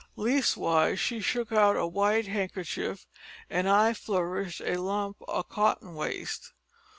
Leastwise she shook out a white handkerchief an' I flourished a lump o' cotton waste.